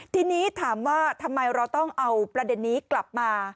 ทีนี้ถามว่าทำไมเราต้องเอาประเด็นนี้กลับมา